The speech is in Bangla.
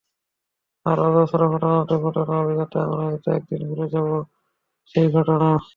আরও অজস্র ঘটনা-দুর্ঘটনার অভিঘাতে আমরা হয়তো একদিন ভুলে যাব সেই ঘটনা।